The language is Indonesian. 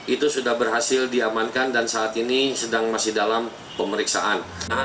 itu sudah berhasil diamankan dan saat ini sedang masih dalam pemeriksaan